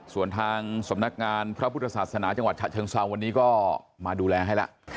ส่วนทางสำนักงานพระพุทธศาสนาจังหวัดฉะเชิงเซาวันนี้ก็มาดูแลให้แล้ว